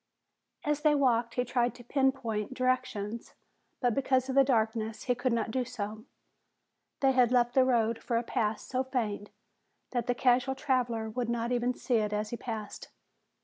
As they walked he tried to pinpoint directions, but because of the darkness he could not do so. They had left the road for a path so faint that the casual traveler would not even see it as he passed.